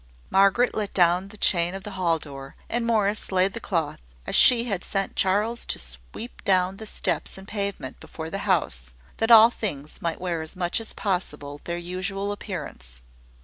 Margaret let down the chain of the hall door; and Morris laid the cloth, as she had sent Charles to sweep down the steps and pavement before the house, that all things might wear as much as possible their usual appearance.